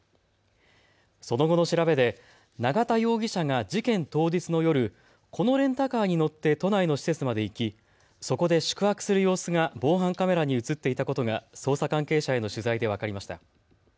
その後の調べで永田容疑者が事件当日の夜、このレンタカーに乗って都内の施設まで行き、そこで宿泊する様子が防犯カメラに写っていたことが捜査関係者への取材で分かりました。